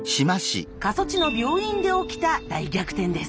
過疎地の病院で起きた大逆転です。